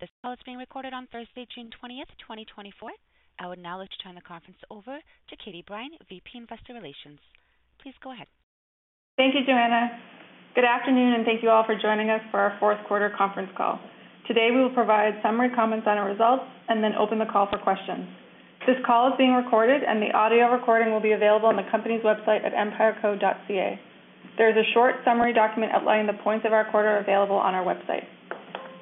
This call is being recorded on Thursday, June 20, 2024. I would now like to turn the conference over to Katie Brine, VP, Investor Relations. Please go ahead. Thank you, Joanna. Good afternoon, and thank you all for joining us for our fourth quarter conference call. Today, we will provide summary comments on our results and then open the call for questions. This call is being recorded, and the audio recording will be available on the company's website at empireco.ca. There is a short summary document outlining the points of our quarter available on our website.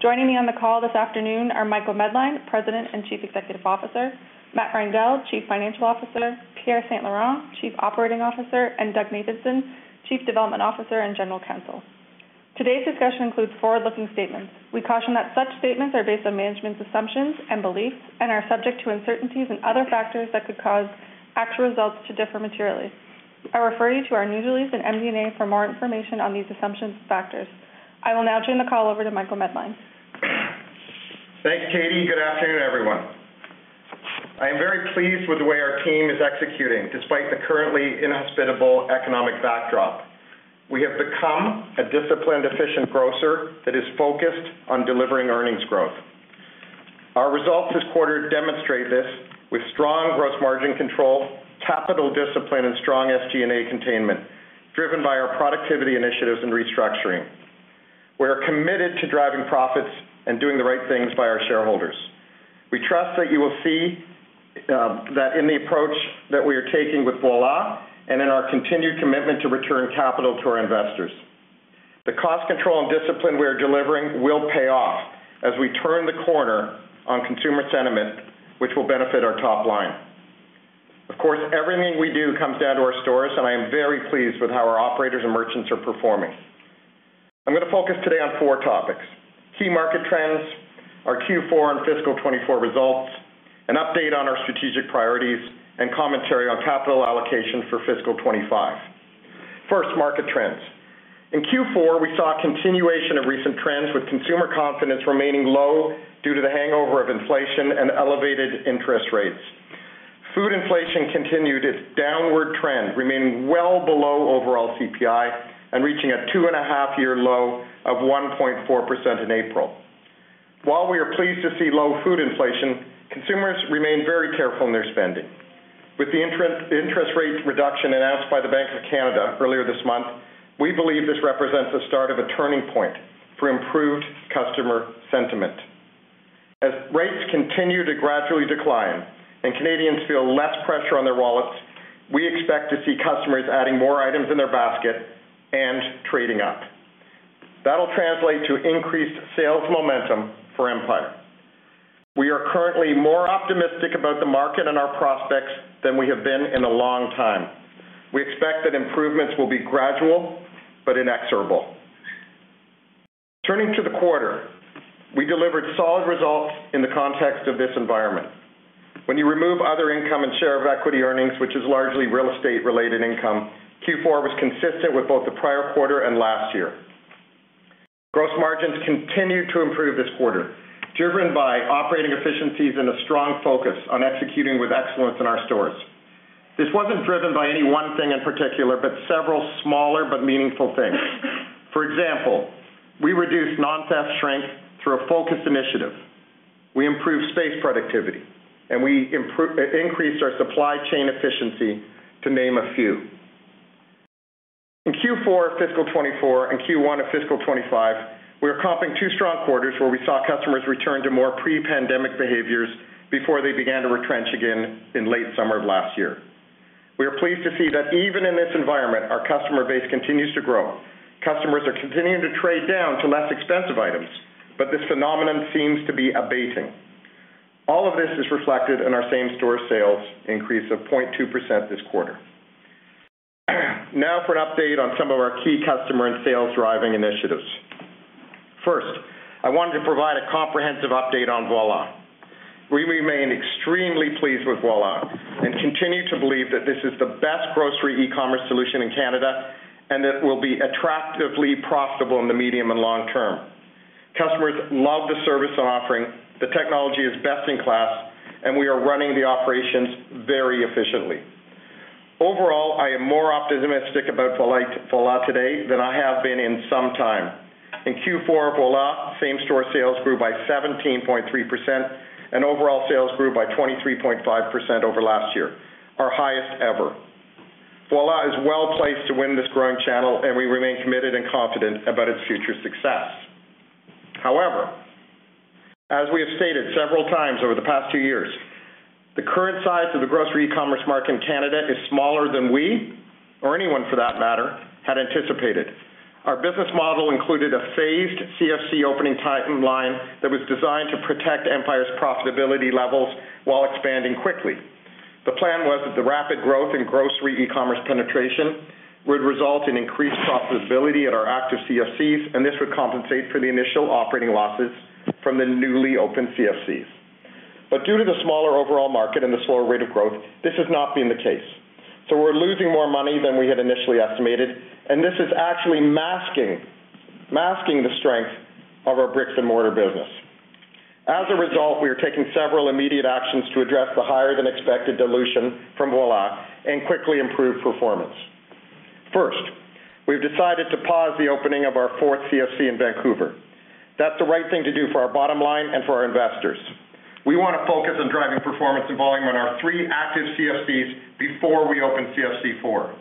Joining me on the call this afternoon are Michael Medline, President and Chief Executive Officer, Matt Reindel, Chief Financial Officer, Pierre St-Laurent, Chief Operating Officer, and Doug Matheson, Chief Development Officer and General Counsel. Today's discussion includes forward-looking statements. We caution that such statements are based on management's assumptions and beliefs and are subject to uncertainties and other factors that could cause actual results to differ materially. I refer you to our news release in MD&A for more information on these assumptions and factors. I will now turn the call over to Michael Medline. Thanks, Katie. Good afternoon, everyone. I am very pleased with the way our team is executing, despite the currently inhospitable economic backdrop. We have become a disciplined, efficient grocer that is focused on delivering earnings growth. Our results this quarter demonstrate this with strong gross margin control, capital discipline, and strong SG&A containment, driven by our productivity initiatives and restructuring. We are committed to driving profits and doing the right things by our shareholders. We trust that you will see that in the approach that we are taking with Voilà and in our continued commitment to return capital to our investors. The cost control and discipline we are delivering will pay off as we turn the corner on consumer sentiment, which will benefit our top line. Of course, everything we do comes down to our stores, and I am very pleased with how our operators and merchants are performing. I'm going to focus today on four topics: key market trends, our Q4 and fiscal 2024 results, an update on our strategic priorities, and commentary on capital allocation for fiscal 2025. First, market trends. In Q4, we saw a continuation of recent trends, with consumer confidence remaining low due to the hangover of inflation and elevated interest rates. Food inflation continued its downward trend, remaining well below overall CPI and reaching a 2.5-year low of 1.4% in April. While we are pleased to see low food inflation, consumers remain very careful in their spending. With the interest rate reduction announced by the Bank of Canada earlier this month, we believe this represents the start of a turning point for improved customer sentiment. As rates continue to gradually decline and Canadians feel less pressure on their wallets, we expect to see customers adding more items in their basket and trading up. That'll translate to increased sales momentum for Empire. We are currently more optimistic about the market and our prospects than we have been in a long time. We expect that improvements will be gradual but inexorable. Turning to the quarter, we delivered solid results in the context of this environment. When you remove other income and share of equity earnings, which is largely real estate-related income, Q4 was consistent with both the prior quarter and last year. Gross margins continued to improve this quarter, driven by operating efficiencies and a strong focus on executing with excellence in our stores. This wasn't driven by any one thing in particular, but several smaller but meaningful things. For example, we reduced non-cash shrink through a focused initiative. We improved space productivity, and we increased our supply chain efficiency, to name a few. In Q4 of fiscal 2024 and Q1 of fiscal 2025, we are comping two strong quarters where we saw customers return to more pre-pandemic behaviors before they began to retrench again in late summer of last year. We are pleased to see that even in this environment, our customer base continues to grow. Customers are continuing to trade down to less expensive items, but this phenomenon seems to be abating. All of this is reflected in our same-store sales increase of 0.2% this quarter. Now for an update on some of our key customer and sales-driving initiatives. First, I wanted to provide a comprehensive update on Voilà. We remain extremely pleased with Voilà and continue to believe that this is the best grocery e-commerce solution in Canada and that it will be attractively profitable in the medium and long term. Customers love the service and offering, the technology is best in class, and we are running the operations very efficiently. Overall, I am more optimistic about Voilà, Voilà today than I have been in some time. In Q4, Voilà same-store sales grew by 17.3%, and overall sales grew by 23.5% over last year, our highest ever. Voilà is well-placed to win this growing channel, and we remain committed and confident about its future success. However, as we have stated several times over the past two years, the current size of the grocery e-commerce market in Canada is smaller than we, or anyone for that matter, had anticipated. Our business model included a phased CFC opening timeline that was designed to protect Empire's profitability levels while expanding quickly. The plan was that the rapid growth in grocery e-commerce penetration would result in increased profitability at our active CFCs, and this would compensate for the initial operating losses from the newly opened CFCs. Due to the smaller overall market and the slower rate of growth, this has not been the case. We're losing more money than we had initially estimated, and this is actually masking, masking the strength of our brick-and-mortar business. As a result, we are taking several immediate actions to address the higher-than-expected dilution from Voilà and quickly improve performance. First, we've decided to pause the opening of our fourth CFC in Vancouver. That's the right thing to do for our bottom line and for our investors. We want to focus on driving performance and volume on our three active CFCs before we open CFC four.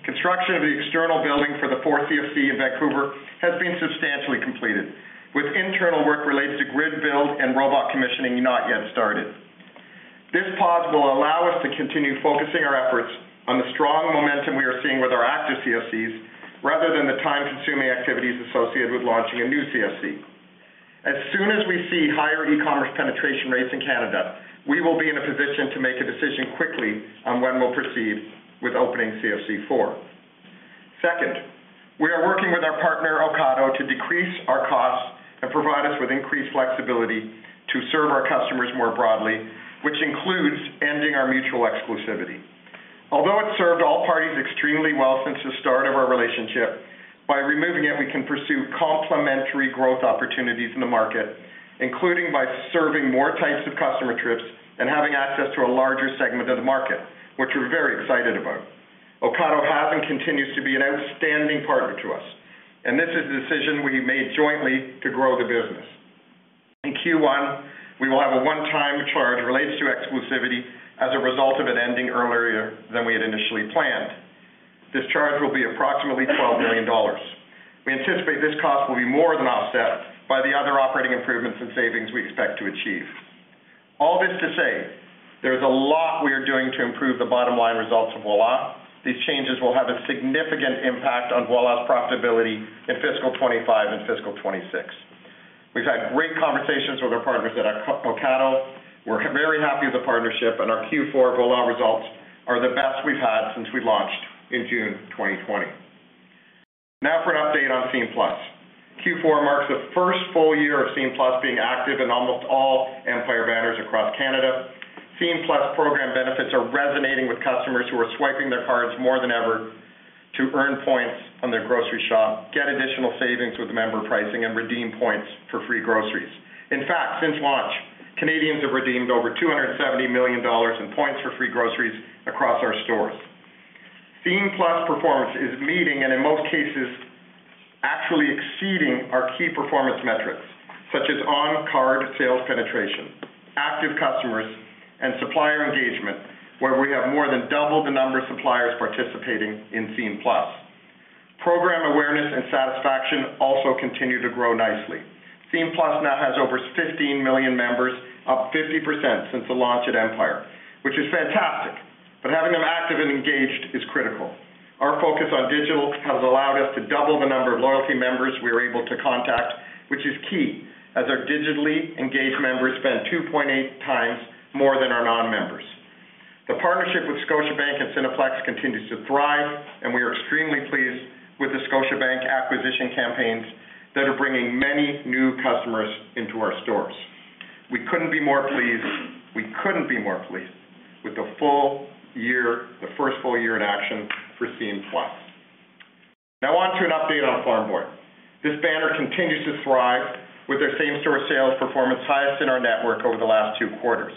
Construction of the external building for the fourth CFC in Vancouver has been substantially completed, with internal work related to grid build and robot commissioning not yet started. This pause will allow us to continue focusing our efforts on the strong momentum we are seeing with our active CFCs, rather than the time-consuming activities associated with launching a new CFC. As soon as we see higher e-commerce penetration rates in Canada, we will be in a position to make a decision quickly on when we'll proceed with opening CFC four. Second, we are working with our partner, Ocado, to decrease our costs and provide us with increased flexibility to serve our customers more broadly, which includes ending our mutual exclusivity. Although it served all parties extremely well since the start of our relationship, by removing it, we can pursue complementary growth opportunities in the market, including by serving more types of customer trips and having access to a larger segment of the market, which we're very excited about. Ocado has and continues to be an outstanding partner to us, and this is a decision we made jointly to grow the business. In Q1, we will have a one-time charge related to exclusivity as a result of it ending earlier than we had initially planned. This charge will be approximately 12 million dollars. We anticipate this cost will be more than offset by the other operating improvements and savings we expect to achieve. All this to say, there's a lot we are doing to improve the bottom line results of Voilà. These changes will have a significant impact on Voilà's profitability in fiscal 2025 and fiscal 2026. We've had great conversations with our partners at Ocado. We're very happy with the partnership, and our Q4 Voilà results are the best we've had since we launched in June 2020. Now for an update on Scene+. Q4 marks the first full year of Scene+ being active in almost all Empire banners across Canada. Scene+ program benefits are resonating with customers who are swiping their cards more than ever to earn points on their grocery shop, get additional savings with member pricing, and redeem points for free groceries. In fact, since launch, Canadians have redeemed over 270 million dollars in points for free groceries across our stores. Scene+ performance is meeting, and in most cases, actually exceeding our key performance metrics, such as on-card sales penetration, active customers, and supplier engagement, where we have more than doubled the number of suppliers participating in Scene+. Program awareness and satisfaction also continue to grow nicely. Scene+ now has over 15 million members, up 50% since the launch at Empire, which is fantastic, but having them active and engaged is critical. Our focus on digital has allowed us to double the number of loyalty members we are able to contact, which is key, as our digitally engaged members spend 2.8 times more than our non-members. The partnership with Scotiabank and Cineplex continues to thrive, and we are extremely pleased with the Scotiabank acquisition campaigns that are bringing many new customers into our stores. We couldn't be more pleased, we couldn't be more pleased with the full year, the first full year in action for Scene+. Now on to an update on Farm Boy. This banner continues to thrive with their same-store sales performance highest in our network over the last two quarters.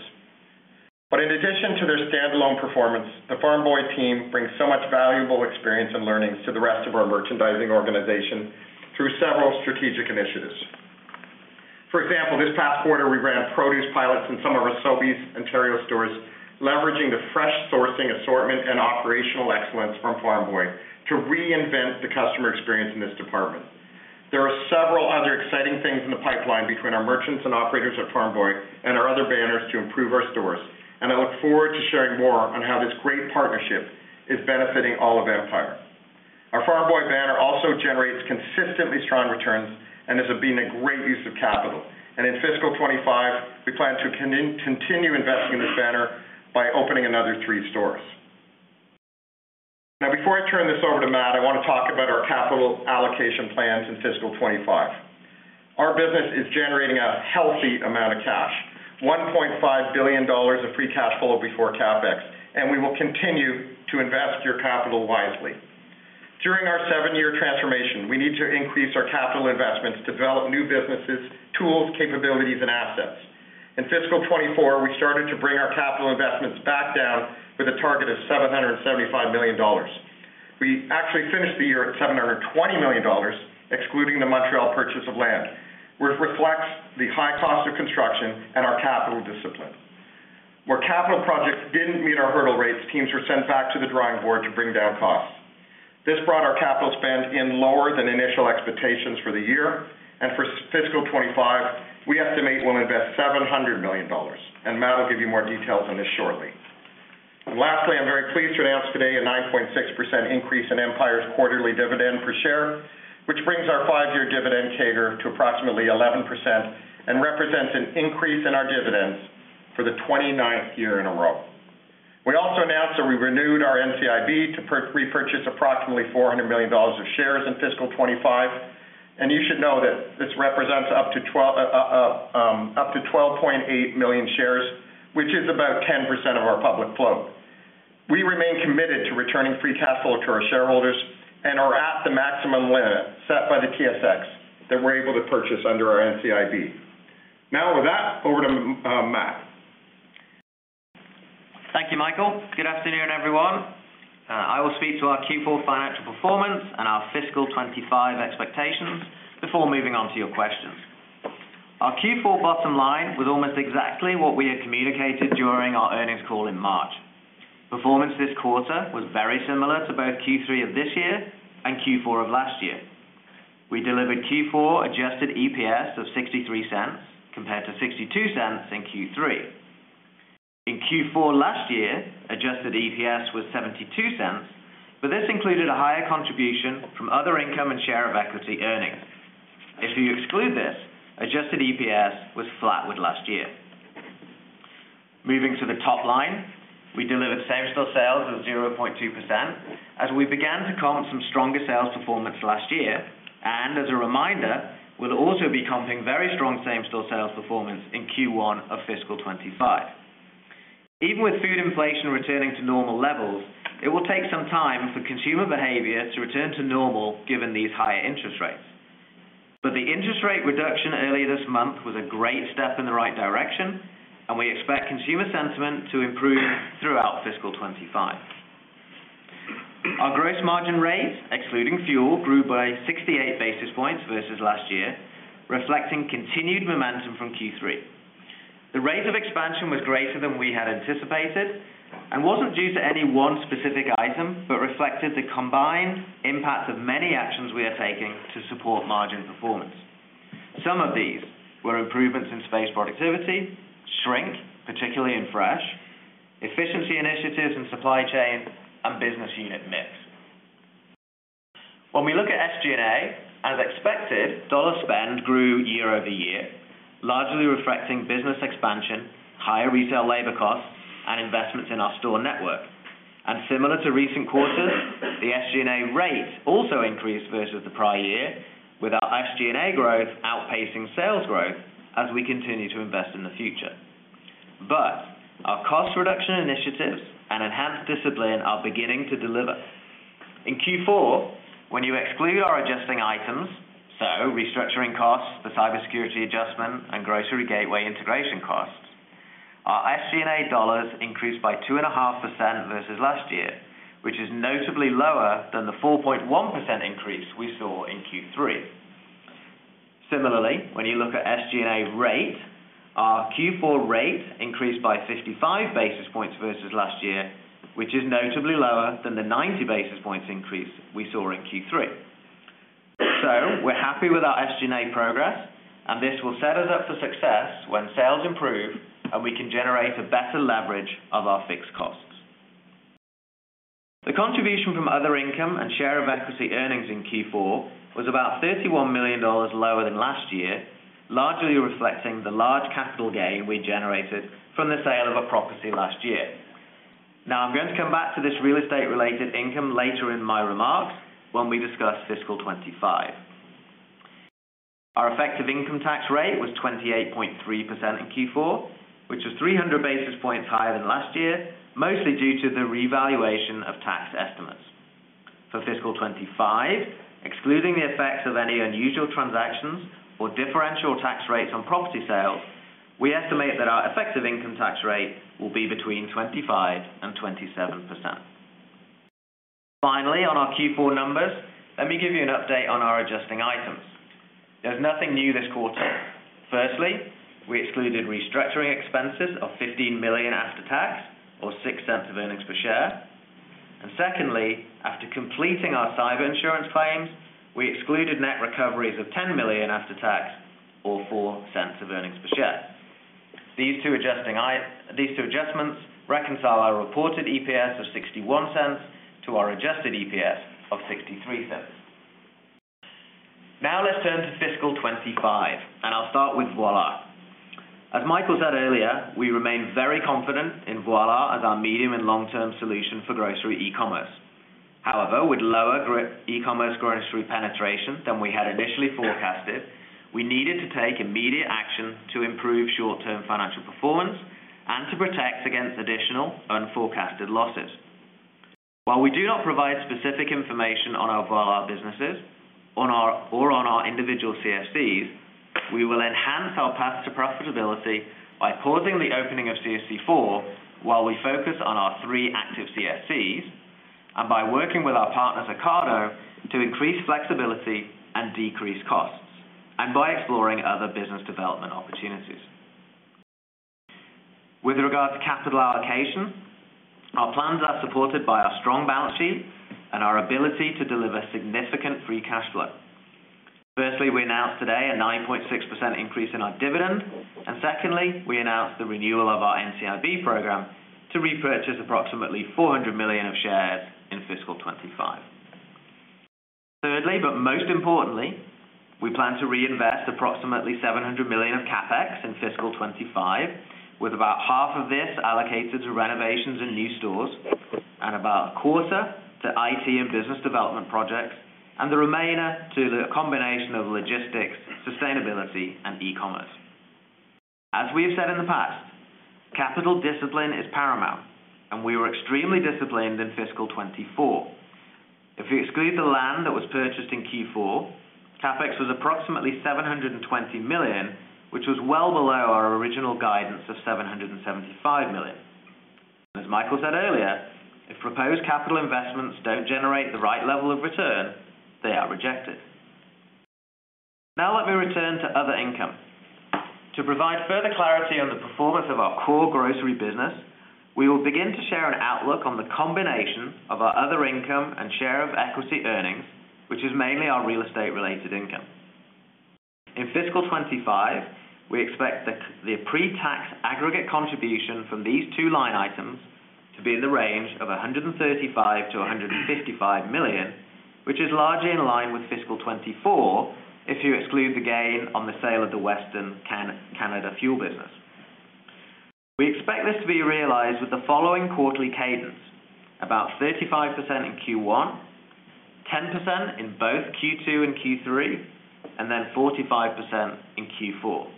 But in addition to their standalone performance, the Farm Boy team brings so much valuable experience and learnings to the rest of our merchandising organization through several strategic initiatives. For example, this past quarter, we ran produce pilots in some of our Sobeys Ontario stores, leveraging the fresh sourcing, assortment, and operational excellence from Farm Boy to reinvent the customer experience in this department. There are several other exciting things in the pipeline between our merchants and operators at Farm Boy and our other banners to improve our stores, and I look forward to sharing more on how this great partnership is benefiting all of Empire. Our Farm Boy banner also generates consistently strong returns, and this has been a great use of capital. In fiscal 25, we plan to continue investing in this banner by opening another three stores. Now, before I turn this over to Matt, I want to talk about our capital allocation plans in fiscal 25. Our business is generating a healthy amount of cash, 1.5 billion dollars of free cash flow before CapEx, and we will continue to invest your capital wisely. During our seven-year transformation, we need to increase our capital investments to develop new businesses, tools, capabilities, and assets. In fiscal 2024, we started to bring our capital investments back down with a target of 775 million dollars. We actually finished the year at 720 million dollars, excluding the Montréal purchase of land, which reflects the high cost of construction and our capital discipline. Where capital projects didn't meet our hurdle rates, teams were sent back to the drawing board to bring down costs. This brought our capital spend in lower than initial expectations for the year, and for fiscal 2025, we estimate we'll invest 700 million dollars, and Matt will give you more details on this shortly. Lastly, I'm very pleased to announce today a 9.6% increase in Empire's quarterly dividend per share, which brings our five year dividend CAGR to approximately 11% and represents an increase in our dividends for the 29th year in a row. We also announced that we renewed our NCIB to repurchase approximately 400 million dollars of shares in fiscal 2025, and you should know that this represents up to 12.8 million shares, which is about 10% of our public float. We remain committed to returning free cash flow to our shareholders and that we're able to purchase under our NCIB. Now with that, over to Matt. Thank you, Michael. Good afternoon, everyone. I will speak to our Q4 financial performance and our fiscal 2025 expectations before moving on to your questions. Our Q4 bottom line was almost exactly what we had communicated during our earnings call in March. Performance this quarter was very similar to both Q3 of this year and Q4 of last year. We delivered Q4 adjusted EPS of 0.63, compared to 0.62 in Q3. In Q4 last year, adjusted EPS was 0.72, but this included a higher contribution from other income and share of equity earnings. If you exclude this, adjusted EPS was flat with last year. Moving to the top line, we delivered same-store sales of 0.2%, as we began to comp some stronger sales performance last year, and as a reminder, we'll also be comping very strong same-store sales performance in Q1 of fiscal 2025. Even with food inflation returning to normal levels, it will take some time for consumer behavior to return to normal, given these higher interest rates. But the interest rate reduction earlier this month was a great step in the right direction, and we expect consumer sentiment to improve throughout fiscal 2025. Our gross margin rate, excluding fuel, grew by 68 basis points versus last year, reflecting continued momentum from Q3. The rate of expansion was greater than we had anticipated and wasn't due to any one specific item, but reflected the combined impact of many actions we are taking to support margin performance. Some of these were improvements in space productivity, shrink, particularly in fresh, efficiency initiatives in supply chain, and business unit mix. When we look at SG&A, as expected, dollar spend grew year-over-year, largely reflecting business expansion, higher retail labor costs, and investments in our store network. Similar to recent quarters, the SG&A rate also increased versus the prior year, with our SG&A growth outpacing sales growth as we continue to invest in the future. Our cost reduction initiatives and enhanced discipline are beginning to deliver. In Q4, when you exclude our adjusting items, so restructuring costs, the cybersecurity adjustment, and Grocery Gateway integration costs, our SG&A dollars increased by 2.5% versus last year, which is notably lower than the 4.1% increase we saw in Q3. Similarly, when you look at SG&A rate, our Q4 rate increased by 55 basis points versus last year, which is notably lower than the 90 basis points increase we saw in Q3. So we're happy with our SG&A progress, and this will set us up for success when sales improve and we can generate a better leverage of our fixed costs. The contribution from other income and share of equity earnings in Q4 was about 31 million dollars lower than last year, largely reflecting the large capital gain we generated from the sale of a property last year. Now, I'm going to come back to this real estate-related income later in my remarks when we discuss fiscal 2025. Our effective income tax rate was 28.3% in Q4, which is 300 basis points higher than last year, mostly due to the revaluation of tax estimates. For fiscal 2025, excluding the effects of any unusual transactions or differential tax rates on property sales, we estimate that our effective income tax rate will be between 25% and 27%. Finally, on our Q4 numbers, let me give you an update on our adjusting items. There's nothing new this quarter. Firstly, we excluded restructuring expenses of 15 million after tax, or 0.06 of earnings per share. Secondly, after completing our cyber insurance claims, we excluded net recoveries of 10 million after tax or 0.04 of earnings per share. These two adjusting items. These two adjustments reconcile our reported EPS of 0.61 to our adjusted EPS of 0.63. Now, let's turn to fiscal 2025, and I'll start with Voilà. As Michael said earlier, we remain very confident in Voilà as our medium- and long-term solution for grocery e-commerce. However, with lower e-commerce grocery penetration than we had initially forecasted, we needed to take immediate action to improve short-term financial performance and to protect against additional unforecasted losses. While we do not provide specific information on our Voilà businesses, or on our individual CFCs, we will enhance our path to profitability by pausing the opening of CFC four while we focus on our three active CFCs, and by working with our partner, Ocado, to increase flexibility and decrease costs, and by exploring other business development opportunities. With regards to capital allocation, our plans are supported by our strong balance sheet and our ability to deliver significant free cash flow. Firstly, we announced today a 9.6% increase in our dividend, and secondly, we announced the renewal of our NCIB program to repurchase approximately 400 million of shares in fiscal 2025. Thirdly, but most importantly, we plan to reinvest approximately 700 million of CapEx in fiscal 2025, with about half of this allocated to renovations and new stores, and about a quarter to IT and business development projects, and the remainder to the combination of logistics, sustainability, and e-commerce. As we have said in the past, capital discipline is paramount, and we were extremely disciplined in fiscal 2024. If you exclude the land that was purchased in Q4, CapEx was approximately 720 million, which was well below our original guidance of 775 million. As Michael said earlier, if proposed capital investments don't generate the right level of return, they are rejected. Now let me return to other income. To provide further clarity on the performance of our core grocery business, we will begin to share an outlook on the combination of our other income and share of equity earnings, which is mainly our real estate related income. In fiscal 2025, we expect the pre-tax aggregate contribution from these two line items to be in the range of 135 million-155 million, which is largely in line with fiscal 2024, if you exclude the gain on the sale of the Western Canada fuel business. We expect this to be realized with the following quarterly cadence: about 35% in Q1, 10% in both Q2 and Q3, and then 45% in Q4.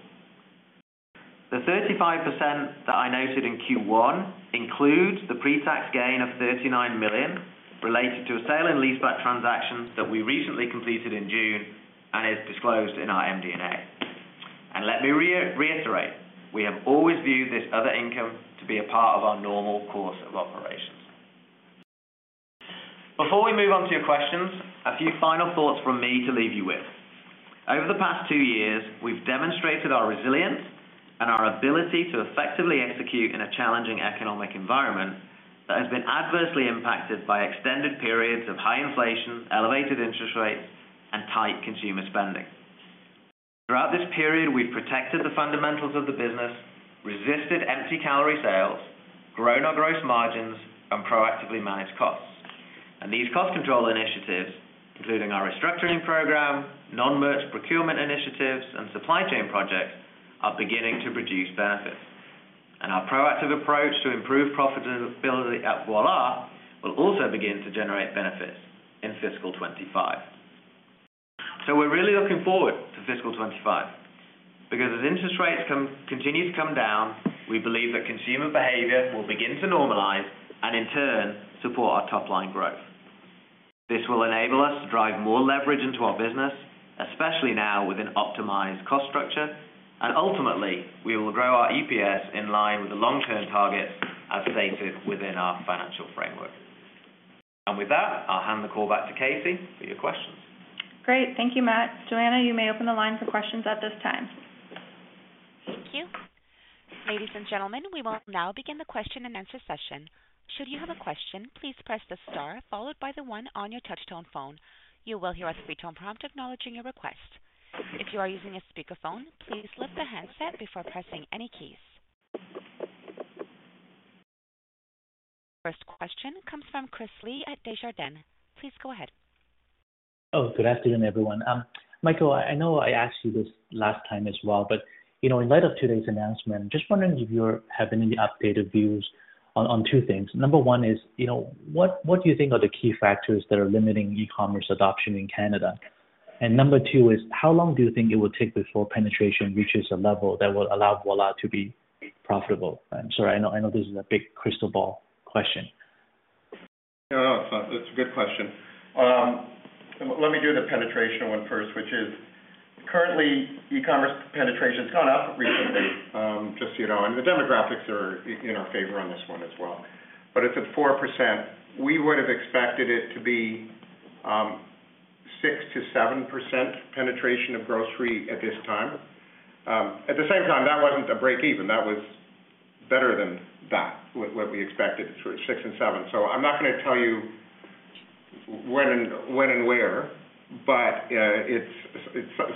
The 35% that I noted in Q1 includes the pre-tax gain of 39 million related to a sale and leaseback transactions that we recently completed in June, and is disclosed in our MD&A. Let me re-reiterate, we have always viewed this other income to be a part of our normal course of operations. Before we move on to your questions, a few final thoughts from me to leave you with. Over the past two years, we've demonstrated our resilience and our ability to effectively execute in a challenging economic environment that has been adversely impacted by extended periods of high inflation, elevated interest rates, and tight consumer spending. Throughout this period, we've protected the fundamentals of the business, resisted empty calorie sales, grown our gross margins, and proactively managed costs. These cost control initiatives, including our restructuring program, non-merch procurement initiatives, and supply chain projects, are beginning to produce benefits. Our proactive approach to improve profitability at Voilà, will also begin to generate benefits in fiscal 2025. We're really looking forward to fiscal 2025, because as interest rates continue to come down, we believe that consumer behavior will begin to normalize and in turn support our top line growth. This will enable us to drive more leverage into our business, especially now with an optimized cost structure, and ultimately, we will grow our EPS in line with the long-term targets as stated within our financial framework. With that, I'll hand the call back to Katie for your questions. Great. Thank you, Matt. Joanna, you may open the line for questions at this time. Thank you. Ladies and gentlemen, we will now begin the question and answer session. Should you have a question, please press the star followed by the one on your touch tone phone. You will hear a three-tone prompt acknowledging your request. If you are using a speakerphone, please lift the handset before pressing any keys. First question comes from Chris Li at Desjardins. Please go ahead. Oh, good afternoon, everyone. Michael, I know I asked you this last time as well, but, you know, in light of today's announcement, just wondering if you have any updated views on two things. Number one is, you know, what do you think are the key factors that are limiting e-commerce adoption in Canada? And number two is, how long do you think it will take before penetration reaches a level that will allow Voilà to be profitable? I'm sorry. I know, I know this is a big crystal ball question. No, no, it's a good question. Let me do the penetration one first, which is currently e-commerce penetration has gone up recently, just so you know, and the demographics are in our favor on this one as well. But it's at 4%. We would have expected it to be, 6%-7% penetration of grocery at this time. At the same time, that wasn't a break even. That was better than that, what we expected, 6 and 7. So I'm not gonna tell you when and where, but, it's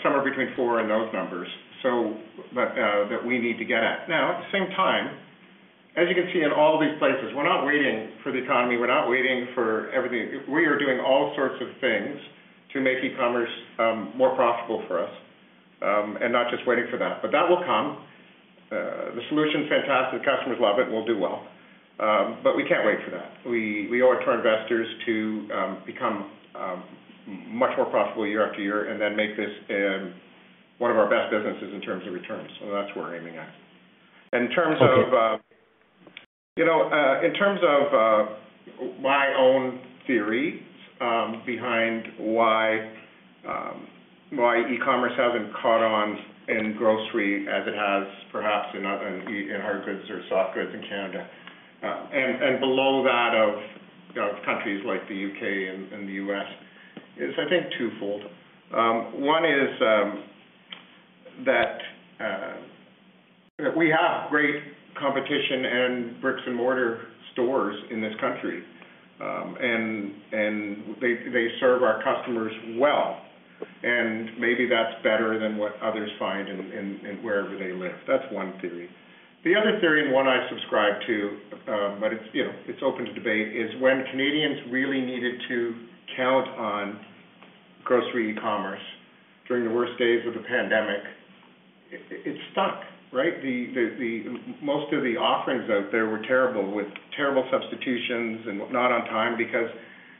somewhere between 4 and those numbers, so but, that we need to get at. Now, at the same time, as you can see in all these places, we're not waiting for the economy, we're not waiting for everything. We are doing all sorts of things to make e-commerce more profitable for us, and not just waiting for that, but that will come. The solution's fantastic. The customers love it and we'll do well, but we can't wait for that. We owe it to our investors to become much more profitable year after year, and then make this one of our best businesses in terms of returns. So that's where we're aiming at. And in terms of, Okay. You know, in terms of my own theory behind why e-commerce hasn't caught on in grocery as it has perhaps in hard goods or soft goods in Canada, and below that of, you know, countries like the U.K. and the U.S., is, I think, twofold. One is that we have great competition and bricks and mortar stores in this country, and they serve our customers well, and maybe that's better than what others find in wherever they live. That's one theory. The other theory, and one I subscribe to, but it's, you know, it's open to debate, is when Canadians really needed to count on grocery e-commerce during the worst days of the pandemic, it stuck, right? The... Most of the offerings out there were terrible, with terrible substitutions and not on time, because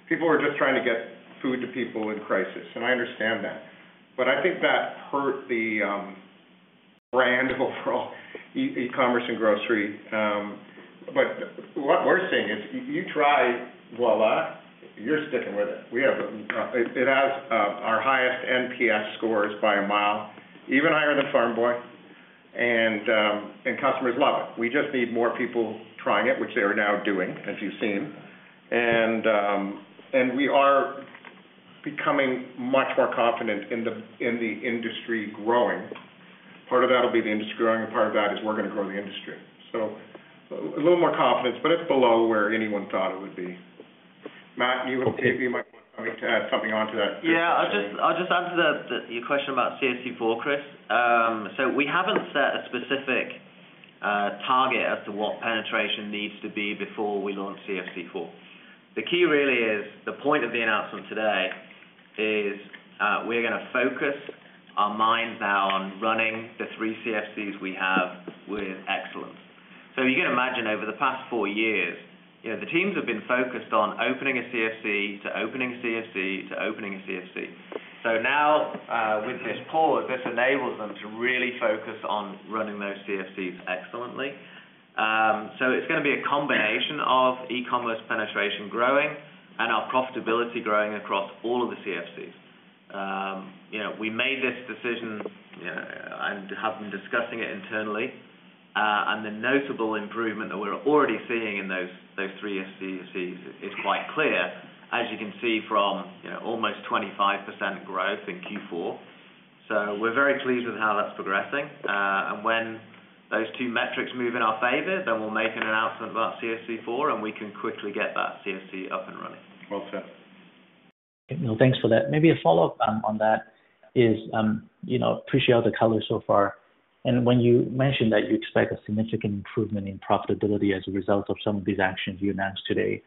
people were just trying to get food to people in crisis, and I understand that, but I think that hurt the brand overall, e-commerce and grocery. But what we're seeing is, you try Voilà, you're sticking with it. We have it has our highest NPS scores by a mile, even higher than Farm Boy, and customers love it. We just need more people trying it, which they are now doing, as you've seen. And we are becoming much more confident in the industry growing. Part of that will be the industry growing, and part of that is we're gonna grow the industry. So a little more confidence, but it's below where anyone thought it would be. Matt, you and Katie might want to add something on to that? Yeah, I'll just answer your question about CFC four, Chris. So we haven't set a specific target as to what penetration needs to be before we launch CFC four. The key really is, the point of the announcement today is, we're gonna focus our minds now on running the three CFCs we have with excellence. So you can imagine, over the past four years, you know, the teams have been focused on opening a CFC, to opening a CFC, to opening a CFC. So now, with this pause, this enables them to really focus on running those CFCs excellently. So it's gonna be a combination of e-commerce penetration growing and our profitability growing across all of the CFCs. You know, we made this decision, you know, and have been discussing it internally. And the notable improvement that we're already seeing in those, those three CFCs is quite clear, as you can see from, you know, almost 25% growth in Q4. So we're very pleased with how that's progressing. And when those two metrics move in our favor, then we'll make an announcement about CFC 4, and we can quickly get that CFC up and running. Well said. Thanks for that. Maybe a follow-up, on that is, you know, appreciate all the color so far, and when you mentioned that you expect a significant improvement in profitability as a result of some of these actions you announced today,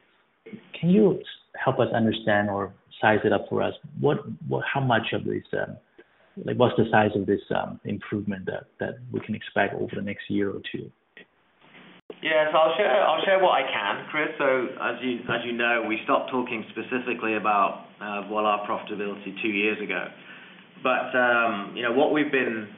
can you help us understand or size it up for us? What, what, how much of this, like, what's the size of this, improvement that, that we can expect over the next year or two? Yes, I'll share, I'll share what I can, Chris. So as you know, we stopped talking specifically about Voilà profitability two years ago. But, you know, what we've been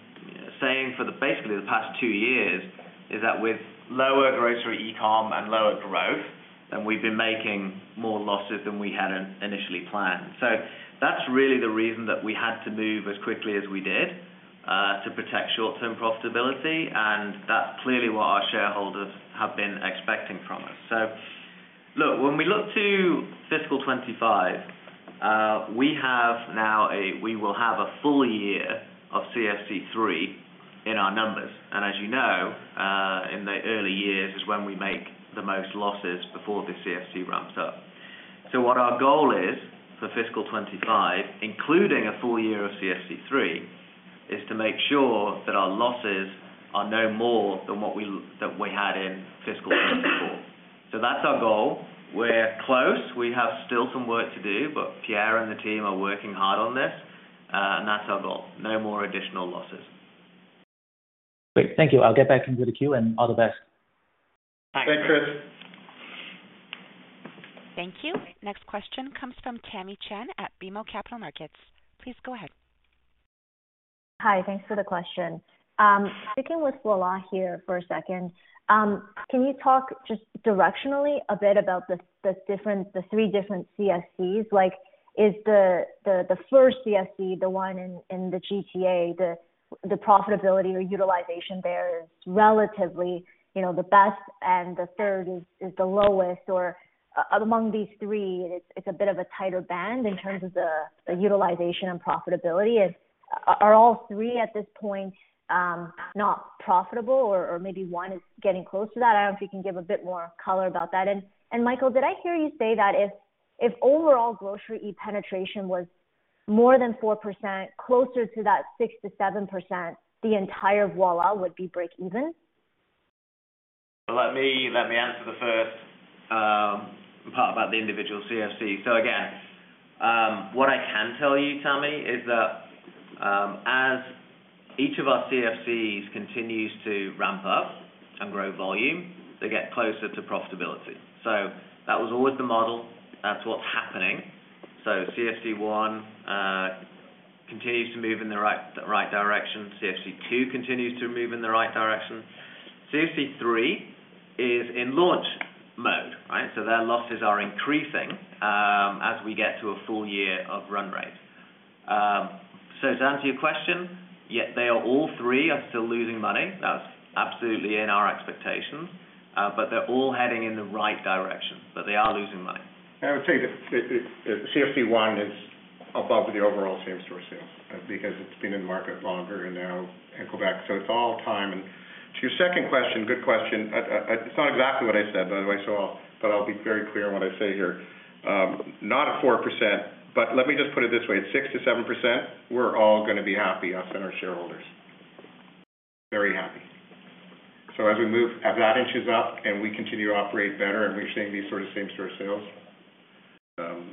saying for basically the past two years is that with lower grocery e-com and lower growth, then we've been making more losses than we had initially planned. So that's really the reason that we had to move as quickly as we did to protect short-term profitability, and that's clearly what our shareholders have been expecting from us. So look, when we look to fiscal 2025, we will have a full year of CFC 3 in our numbers. And as you know, in the early years is when we make the most losses before the CFC ramps up. So what our goal is for fiscal 25, including a full year of CFC 3, is to make sure that our losses are no more than what we, that we had in fiscal 24. So that's our goal. We're close. We have still some work to do, but Pierre and the team are working hard on this. And that's our goal, no more additional losses. Great. Thank you. I'll get back into the queue and all the best. Thanks. Thanks, Chris. Thank you. Next question comes from Tamy Chen at BMO Capital Markets. Please go ahead. Hi, thanks for the question. Sticking with Voilà here for a second, can you talk just directionally a bit about the different, the three different CFCs? Like, is the first CFC, the one in the GTA, the profitability or utilization there relatively, you know, the best, and the third is the lowest, or among these three, it's a bit of a tighter band in terms of the utilization and profitability? Are all three at this point not profitable or maybe one is getting close to that? I don't know if you can give a bit more color about that. And, Michael, did I hear you say that if overall grocery e-penetration was more than 4%, closer to that 6%-7%, the entire Voilà would be break even? Let me, let me answer the first, part about the individual CFC. So again, what I can tell you, Tamy, is that, as each of our CFCs continues to ramp up and grow volume, they get closer to profitability. So that was always the model. That's what's happening. So CFC one, continues to move in the right, the right direction. CFC two continues to move in the right direction. CFC three is in launch mode, right? So their losses are increasing, as we get to a full year of run rate. So to answer your question, yes, they are all three are still losing money. That's absolutely in our expectations, but they're all heading in the right direction, but they are losing money. I would say that CFC 1 is above the overall same-store sales because it's been in the market longer, and now in Quebec, so it's all time. And to your second question, good question. It's not exactly what I said, by the way, so I'll... But I'll be very clear when I say here, not a 4%, but let me just put it this way, at 6%-7%, we're all gonna be happy, us and our shareholders. Very happy. So as we move, as that inches up and we continue to operate better and we're seeing these sort of same-store sales,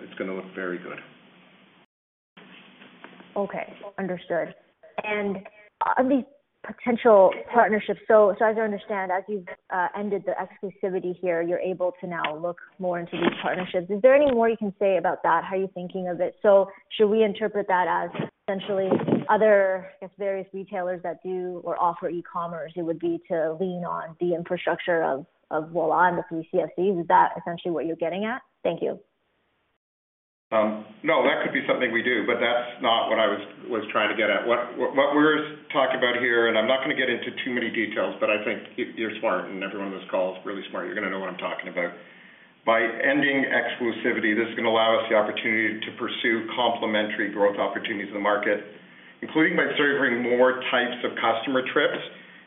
it's gonna look very good.... Okay, understood. And on these potential partnerships, so, so as I understand, as you've ended the exclusivity here, you're able to now look more into these partnerships. Is there any more you can say about that? How are you thinking of it? So should we interpret that as essentially other, if various retailers that do or offer e-commerce, it would be to lean on the infrastructure of, of Voilà and the three CFCs. Is that essentially what you're getting at? Thank you. No, that could be something we do, but that's not what I was trying to get at. What we're talking about here, and I'm not gonna get into too many details, but I think you, you're smart, and everyone on this call is really smart. You're gonna know what I'm talking about. By ending exclusivity, this is gonna allow us the opportunity to pursue complementary growth opportunities in the market, including by serving more types of customer trips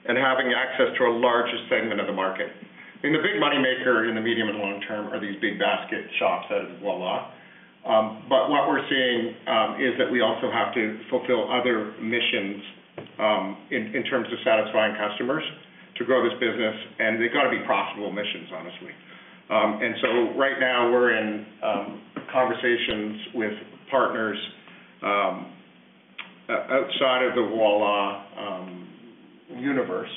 and having access to a larger segment of the market. I mean, the big money maker in the medium and long term are these big basket shops at Voilà. But what we're seeing is that we also have to fulfill other missions in terms of satisfying customers to grow this business, and they've got to be profitable missions, honestly. And so right now, we're in conversations with partners outside of the Voilà universe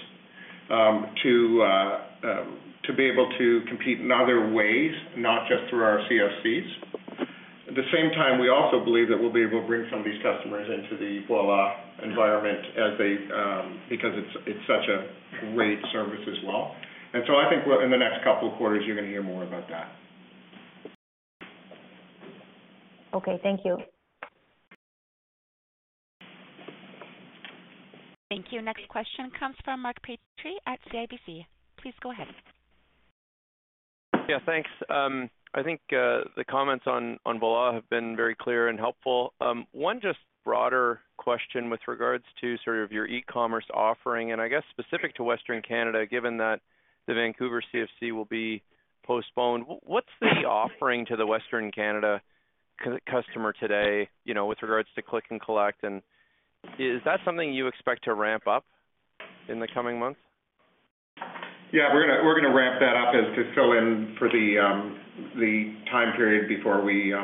to be able to compete in other ways, not just through our CFCs. At the same time, we also believe that we'll be able to bring some of these customers into the Voilà environment as they because it's such a great service as well. And so I think we're in the next couple of quarters, you're gonna hear more about that. Okay, thank you. Thank you. Next question comes from Mark Petrie at CIBC. Please go ahead. Yeah, thanks. I think the comments on Voilà have been very clear and helpful. One just broader question with regards to sort of your e-commerce offering, and I guess specific to Western Canada, given that the Vancouver CFC will be postponed, what's the offering to the Western Canada customer today, you know, with regards to click and collect? And is that something you expect to ramp up in the coming months? Yeah, we're gonna, we're gonna ramp that up as to fill in for the, the time period before we,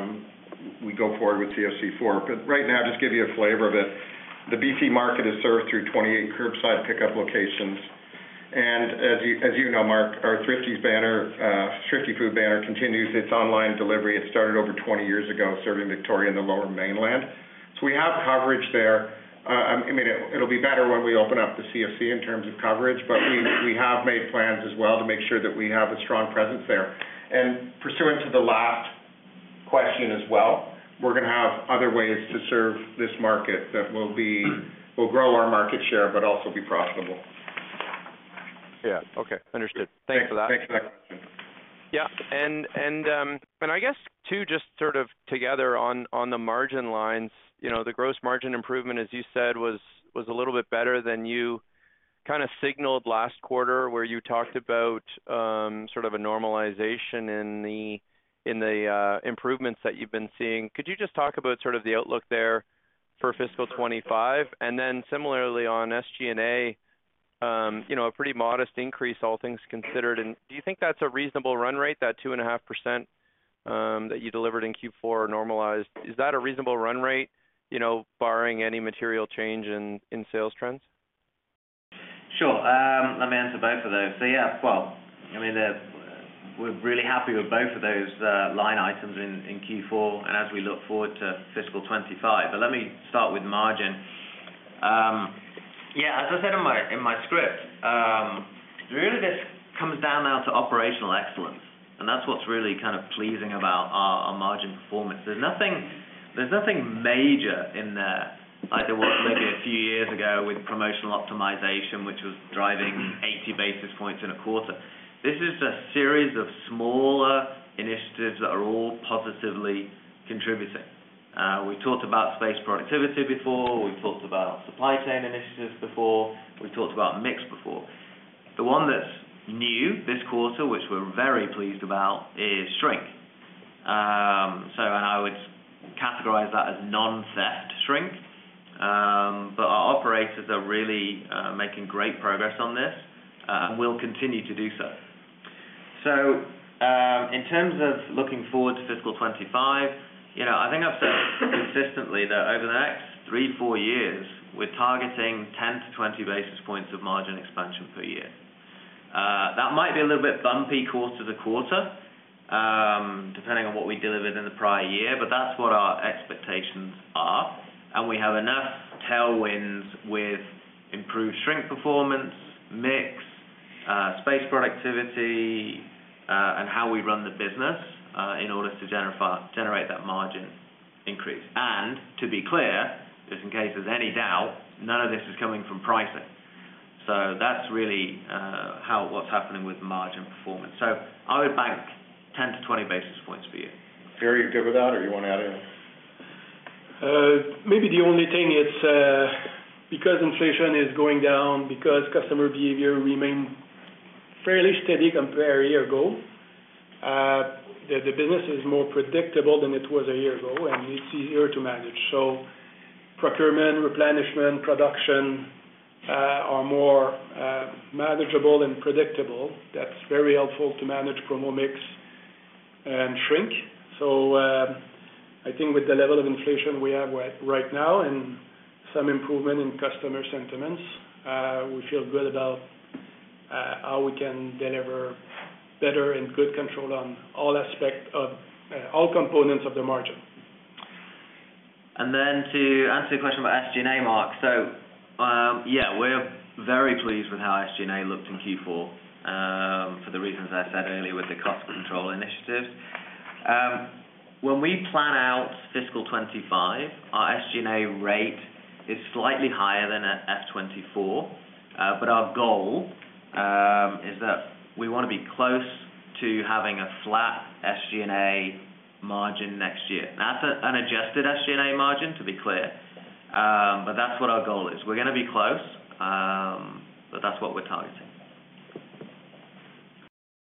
we go forward with CFC 4. But right now, just give you a flavor of it, the BC market is served through 28 curbside pickup locations, and as you, as you know, Mark, our Thrifty's banner, Thrifty Foods banner, continues its online delivery. It started over 20 years ago, serving Victoria in the Lower Mainland. So we have coverage there. I mean, it, it'll be better when we open up the CFC in terms of coverage, but we, we have made plans as well to make sure that we have a strong presence there. And pursuant to the last question as well, we're gonna have other ways to serve this market that will be will grow our market share, but also be profitable. Yeah, okay. Understood. Thank you for that. Thanks for that question. Yeah, I guess too, just sort of together on the margin lines, you know, the gross margin improvement, as you said, was a little bit better than you kind of signaled last quarter, where you talked about sort of a normalization in the improvements that you've been seeing. Could you just talk about sort of the outlook there for fiscal 2025? And then similarly, on SG&A, you know, a pretty modest increase, all things considered, and do you think that's a reasonable run rate, that 2.5%, that you delivered in Q4 normalized? Is that a reasonable run rate, you know, barring any material change in sales trends? Sure. Let me answer both of those. So yeah, well, I mean, we're really happy with both of those line items in Q4, and as we look forward to fiscal 2025. But let me start with margin. Yeah, as I said in my script, really, this comes down now to operational excellence, and that's what's really kind of pleasing about our margin performance. There's nothing major in there, like there was maybe a few years ago with promotional optimization, which was driving 80 basis points in a quarter. This is a series of smaller initiatives that are all positively contributing. We talked about space productivity before, we talked about supply chain initiatives before, we talked about mix before. The one that's new this quarter, which we're very pleased about, is shrink. I would categorize that as non-theft shrink. But our operators are really making great progress on this and will continue to do so. So, in terms of looking forward to fiscal 2025, you know, I think I've said consistently that over the next 3-4 years, we're targeting 10-20 basis points of margin expansion per year. That might be a little bit bumpy quarter to quarter, depending on what we delivered in the prior year, but that's what our expectations are, and we have enough tailwinds with improved shrink performance, mix, space productivity, and how we run the business in order to generate that margin increase. And to be clear, just in case there's any doubt, none of this is coming from pricing. That's really what's happening with margin performance. I would bank 10-20 basis points per year. Pierre, you're good with that, or you want to add anything? Maybe the only thing, it's because inflation is going down, because customer behavior remain fairly steady compared a year ago, the business is more predictable than it was a year ago, and it's easier to manage. So procurement, replenishment, production are more manageable and predictable. That's very helpful to manage promo mix.... and shrink. So, I think with the level of inflation we have right now and some improvement in customer sentiments, we feel good about how we can deliver better and good control on all aspect of all components of the margin. And then to answer your question about SG&A, Mark. So, yeah, we're very pleased with how SG&A looked in Q4, for the reasons I said earlier, with the cost control initiatives. When we plan out fiscal 2025, our SG&A rate is slightly higher than at fiscal 2024. But our goal is that we wanna be close to having a flat SG&A margin next year. That's an adjusted SG&A margin, to be clear, but that's what our goal is. We're gonna be close, but that's what we're targeting.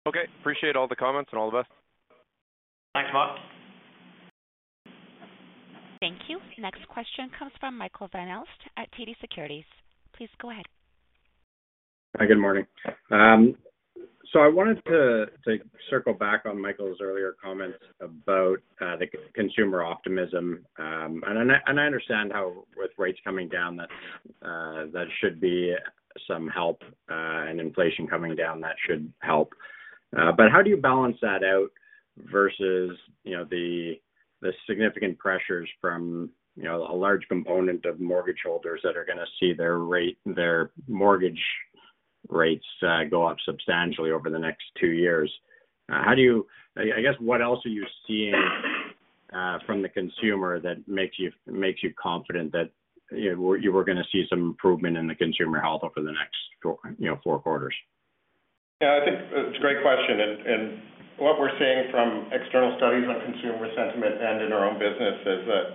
Okay. Appreciate all the comments and all the best. Thanks, Mark. Thank you. Next question comes from Michael Van Aelst at TD Securities. Please go ahead. Hi, good morning. So I wanted to circle back on Michael's earlier comments about the consumer optimism. And I understand how with rates coming down, that that should be some help, and inflation coming down, that should help. But how do you balance that out versus, you know, the significant pressures from, you know, a large component of mortgage holders that are gonna see their mortgage rates go up substantially over the next two years? How do you... I guess, what else are you seeing from the consumer that makes you confident that, you know, you were gonna see some improvement in the consumer health over the next, you know, four quarters? Yeah, I think it's a great question, and what we're seeing from external studies on consumer sentiment and in our own business is that,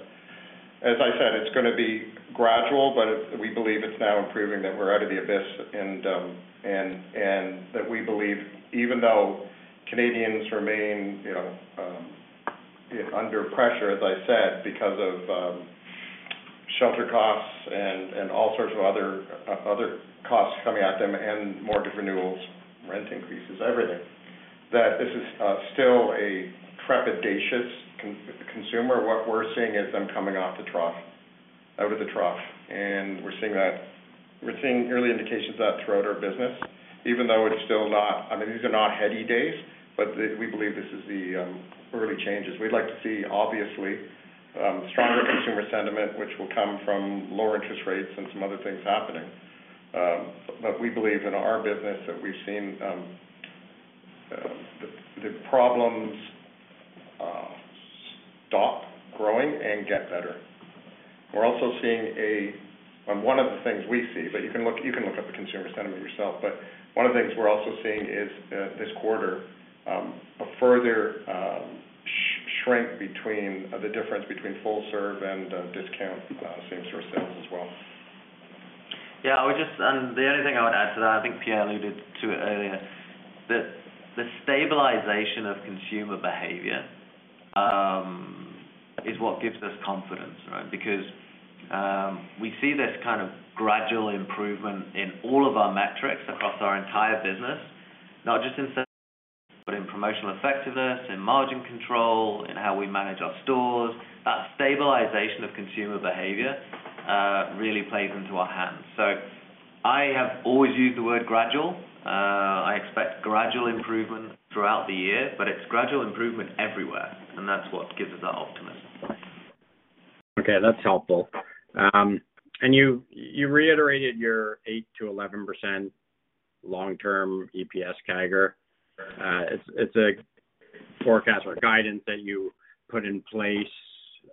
as I said, it's gonna be gradual, but it's we believe it's now improving, that we're out of the abyss, and that we believe, even though Canadians remain, you know, under pressure, as I said, because of shelter costs and all sorts of other costs coming at them, and mortgage renewals, rent increases, everything, that this is still a trepidatious consumer. What we're seeing is them coming off the trough, out of the trough, and we're seeing that we're seeing early indications of that throughout our business, even though it's still not... I mean, these are not heady days, but we believe this is the early changes. We'd like to see, obviously, stronger consumer sentiment, which will come from lower interest rates and some other things happening. But we believe in our business that we've seen the problems stop growing and get better. We're also seeing one of the things we see, but you can look up the consumer sentiment yourself, but one of the things we're also seeing is this quarter a further shrink between the difference between full serve and discount same-store sales as well. Yeah, I would just... The only thing I would add to that, I think Pierre alluded to it earlier, that the stabilization of consumer behavior is what gives us confidence, right? Because we see this kind of gradual improvement in all of our metrics across our entire business, not just in sales, but in promotional effectiveness, in margin control, in how we manage our stores. That stabilization of consumer behavior really plays into our hands. So I have always used the word gradual. I expect gradual improvement throughout the year, but it's gradual improvement everywhere, and that's what gives us our optimism. Okay, that's helpful. And you, you reiterated your 8%-11% long-term EPS CAGR. It's, it's a forecast or guidance that you put in place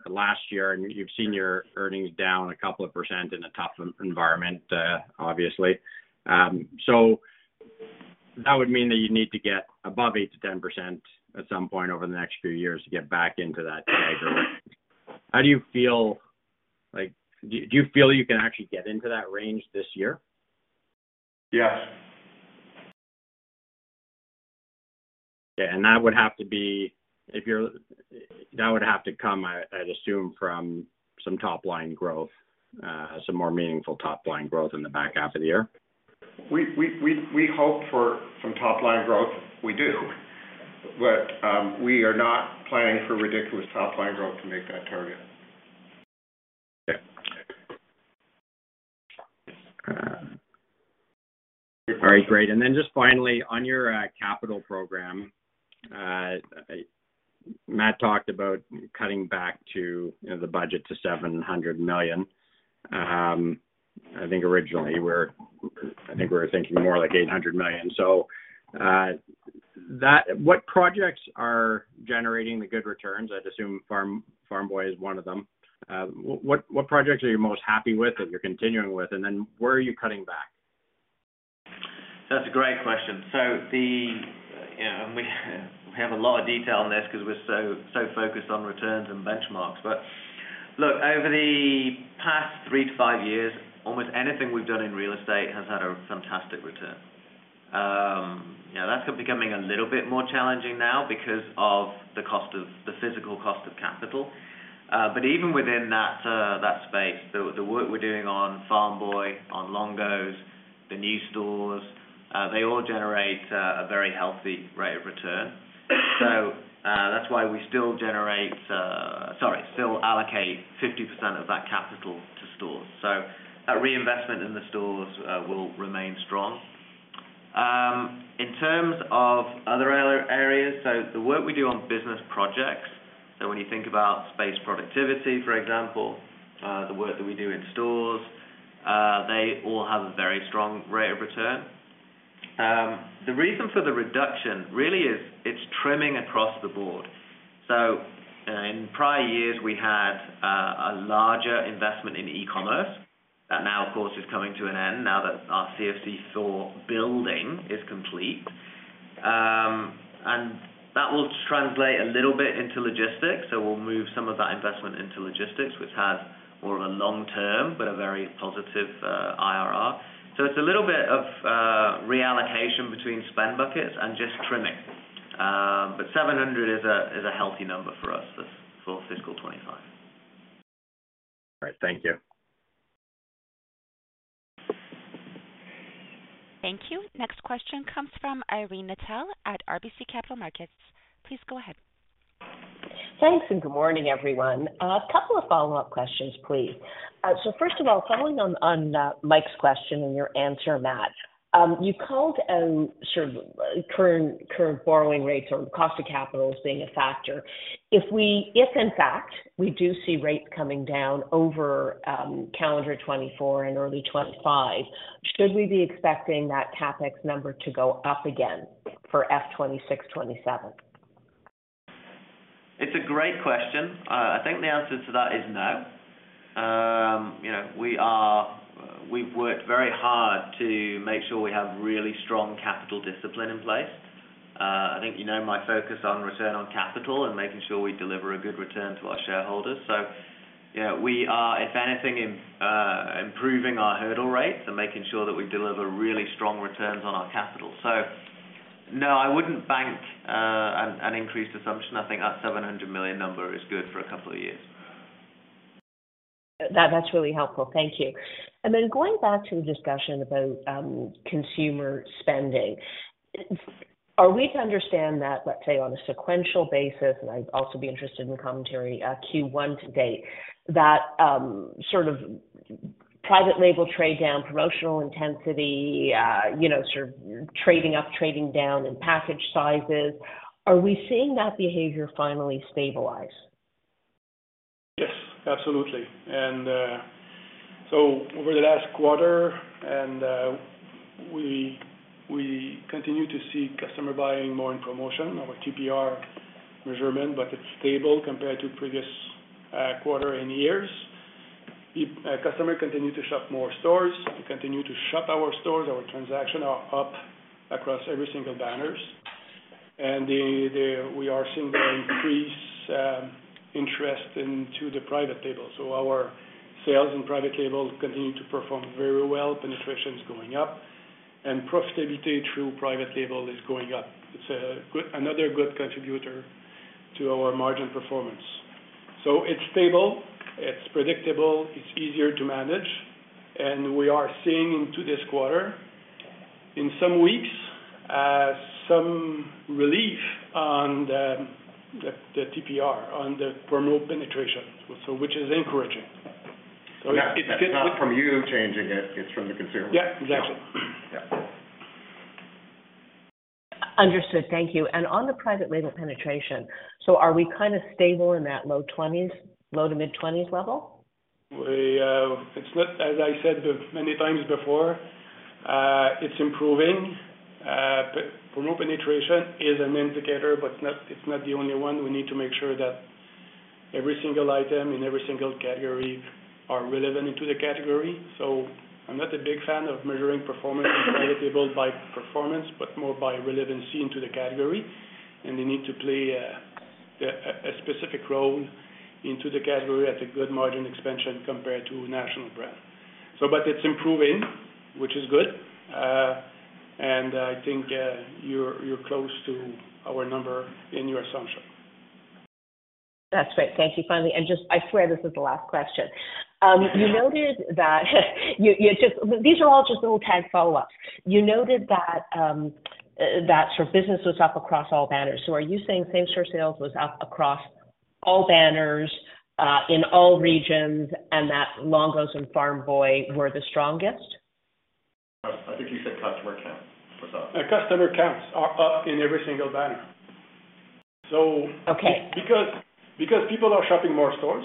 last year, and you've seen your earnings down a couple of percent in a tough environment, obviously. So that would mean that you need to get above 8%-10% at some point over the next few years to get back into that CAGR range. How do you feel, like, do, do you feel you can actually get into that range this year? Yes. Yeah, and that would have to be, if you're that would have to come, I, I'd assume, from some top-line growth, some more meaningful top-line growth in the back half of the year? We hope for some top-line growth. We do. But, we are not planning for ridiculous top-line growth to make that target. Okay. All right, great. And then just finally, on your capital program, Matt talked about cutting back to, you know, the budget to 700 million. I think originally we were thinking more like 800 million. So, that - what projects are generating the good returns? I'd assume Farm Boy is one of them. What projects are you most happy with, that you're continuing with? And then where are you cutting back? That's a great question. So the, you know, we have a lot of detail on this because we're so, so focused on returns and benchmarks. But look, over the past 3-5 years, almost anything we've done in real estate has had a fantastic return. You know, that's becoming a little bit more challenging now because of the cost of- the physical cost of capital. But even within that, that space, the work we're doing on Farm Boy, on Longo’s, the new stores, they all generate a very healthy rate of return. So, that's why we still generate, sorry, still allocate 50% of that capital to stores. So that reinvestment in the stores will remain strong. In terms of other areas, so the work we do on business projects, so when you think about space productivity, for example, the work that we do in stores, they all have a very strong rate of return. The reason for the reduction really is, it's trimming across the board. So in prior years, we had a larger investment in e-commerce that now, of course, is coming to an end now that our CFC store building is complete. And that will translate a little bit into logistics. So we'll move some of that investment into logistics, which has more of a long term, but a very positive IRR. So it's a little bit of reallocation between spend buckets and just trimming. But 700 is a healthy number for us for fiscal 2025. All right. Thank you. Thank you. Next question comes from Irene Nattel at RBC Capital Markets. Please go ahead. Thanks, and good morning, everyone. A couple of follow-up questions, please. So first of all, following on Mike's question and your answer, Matt, you called sort of current borrowing rates or cost of capital as being a factor. If in fact, we do see rates coming down over calendar 2024 and early 2025, should we be expecting that CapEx number to go up again for F26, 2027? It's a great question. I think the answer to that is no. You know, we've worked very hard to make sure we have really strong capital discipline in place. I think you know, my focus on return on capital and making sure we deliver a good return to our shareholders. So yeah, we are, if anything, improving our hurdle rates and making sure that we deliver really strong returns on our capital. So no, I wouldn't bank an increased assumption. I think our 700 million number is good for a couple of years. That, that's really helpful. Thank you. And then going back to the discussion about consumer spending, are we to understand that, let's say, on a sequential basis, and I'd also be interested in the commentary, Q1 to date, that sort of private label trade down, promotional intensity, you know, sort of trading up, trading down and package sizes, are we seeing that behavior finally stabilize? Yes, absolutely. And, so over the last quarter and, we continue to see customer buying more in promotion, our TPR measurement, but it's stable compared to previous, quarter and years. If, customer continue to shop more stores, we continue to shop our stores, our transaction are up across every single banners. And we are seeing the increase, interest into the private label. So our sales in private label continue to perform very well. Penetration is going up, and profitability through private label is going up. It's another good contributor to our margin performance. So it's stable, it's predictable, it's easier to manage, and we are seeing into this quarter, in some weeks, some relief on the TPR, on the promo penetration, so which is encouraging. So it's- Not from you changing it, it's from the consumer. Yeah, exactly. Yeah. Understood. Thank you. And on the private label penetration, so are we kind of stable in that low 20s, low-to mid-20s level? It's not, as I said many times before, it's improving, but promo penetration is an indicator, but it's not, it's not the only one. We need to make sure that every single item in every single category are relevant into the category. So I'm not a big fan of measuring performance, private label by performance, but more by relevancy into the category. And they need to play a specific role into the category at a good margin expansion compared to national brand. So, but it's improving, which is good. And I think, you're close to our number in your assumption. That's great. Thank you. Finally, and just I swear this is the last question. You noted that... These are all just little tag follow-ups. You noted that, that sort of business was up across all banners. So are you saying same-store sales was up across all banners, in all regions, and that Longo’s and Farm Boy were the strongest? I think you said customer counts was up. Customer counts are up in every single banner. So- Okay. Because people are shopping more stores,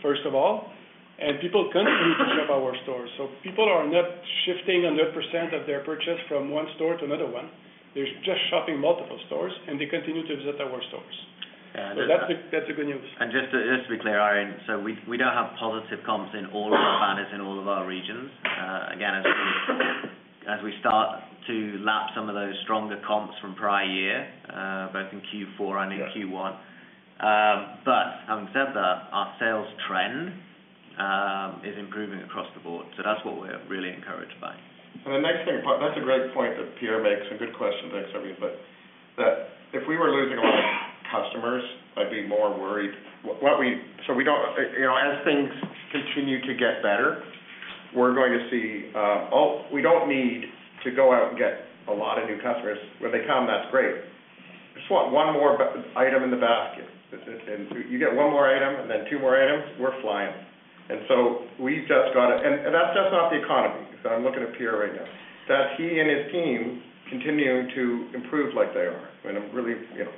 first of all, and people continue to shop our stores. So people are not shifting 100% of their purchase from one store to another one. They're just shopping multiple stores, and they continue to visit our stores. Yeah. So that's, that's the good news. Just to be clear, Irene, we don't have positive comps in all of our banners in all of our regions. Again, as we start to lap some of those stronger comps from prior year, both in Q4 and in Q1. But having said that, our sales trend is improving across the board, so that's what we're really encouraged by. And the next thing, that's a great point that Pierre makes, and good question, thanks, Irene. But that if we were losing a lot of customers, I'd be more worried. So we don't, you know, as things continue to get better, we're going to see, oh, we don't need to go out and get a lot of new customers. When they come, that's great. Just want one more item in the basket. And so you get one more item and then two more items, we're flying. And that's just not the economy. So I'm looking at Pierre right now, that he and his team continue to improve like they are. And I'm really, you know,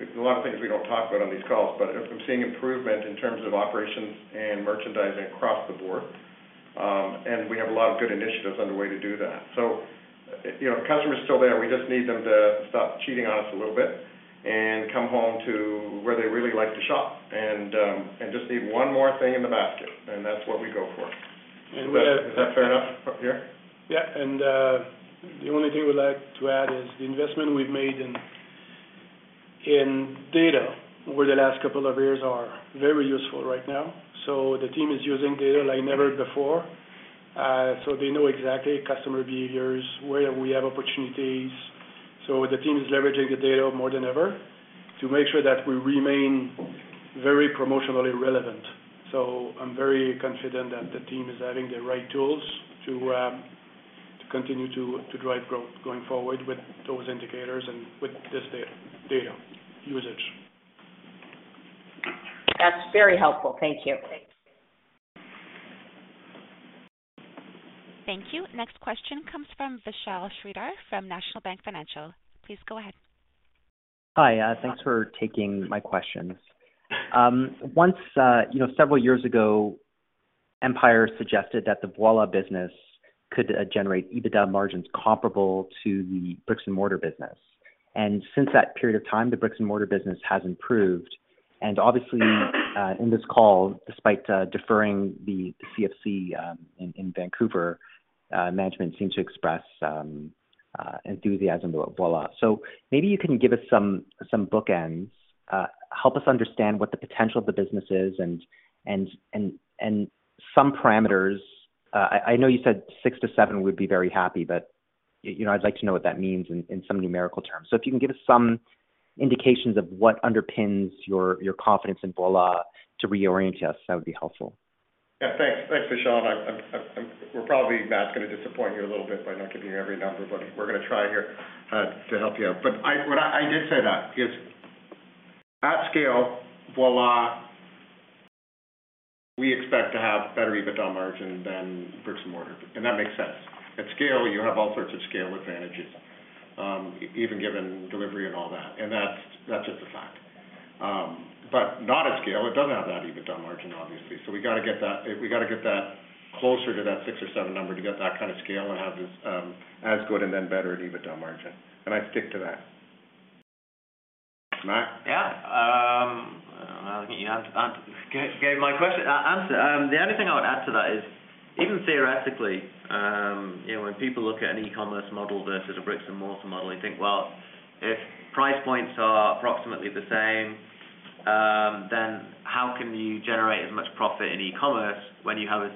there's a lot of things we don't talk about on these calls, but I'm seeing improvement in terms of operations and merchandising across the board. And we have a lot of good initiatives underway to do that. So, you know, customers are still there. We just need them to stop cheating on us a little bit and come home to where they really like to shop, and, and just need one more thing in the basket, and that's what we go for. We have- Is that fair enough, Pierre? Yeah, and the only thing I would like to add is the investment we've made in data over the last couple of years are very useful right now. So the team is using data like never before, so they know exactly customer behaviors, where we have opportunities. So the team is leveraging the data more than ever to make sure that we remain very promotionally relevant. So I'm very confident that the team is adding the right tools to continue to drive growth going forward with those indicators and with this data usage. That's very helpful. Thank you. Thank you. Next question comes from Vishal Shreedhar from National Bank Financial. Please go ahead. Hi, thanks for taking my questions. Once, you know, several years ago, Empire suggested that the Voilà business could generate EBITDA margins comparable to the bricks-and-mortar business. And since that period of time, the bricks-and-mortar business has improved. And obviously, in this call, despite deferring the CFC in Vancouver, management seemed to express enthusiasm about Voilà. So maybe you can give us some bookends, help us understand what the potential of the business is and some parameters. I know you said 6-7, we'd be very happy, but, you know, I'd like to know what that means in some numerical terms. So if you can give us some indications of what underpins your confidence in Voilà to reorient us, that would be helpful. Yeah, thanks. Thanks, Vishal. We're probably, Matt, gonna disappoint you a little bit by not giving you every number, but we're gonna try here to help you out. But I - what I did say that, is at scale, Voilà, we expect to have better EBITDA margin than bricks and mortar, and that makes sense. At scale, you have all sorts of scale advantages, even given delivery and all that, and that's just a fact. But not at scale, it doesn't have that EBITDA margin, obviously. So we got to get that-- We got to get that closer to that 6 or 7 number to get that kind of scale and have this, as good and then better at EBITDA margin. And I stick to that. Matt? Yeah, you have gave my question an answer. The only thing I would add to that is, even theoretically, you know, when people look at an e-commerce model versus a bricks-and-mortar model, they think, well, if price points are approximately the same, then how can you generate as much profit in e-commerce when you have